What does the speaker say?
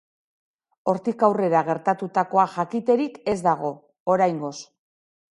Hortik aurrera gertatutakoa jakiterik ez dago, oraingoz.